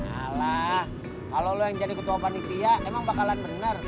alah kalau lo yang jadi ketua panitia emang bakalan bener